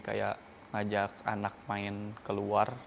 kayak ngajak anak main keluar